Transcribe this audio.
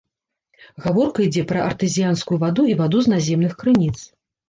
Гаворка ідзе пра артэзіянскую ваду і ваду з наземных крыніц.